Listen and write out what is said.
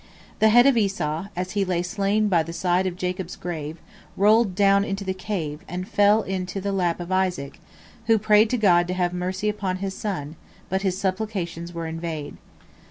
The head of Esau, as he lay slain by the side of Jacob's grave, rolled down into the Cave, and fell into the lap of Isaac, who prayed to God to have mercy upon his son, but his supplications were in vain.